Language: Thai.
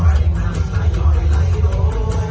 มันเป็นเมื่อไหร่แล้ว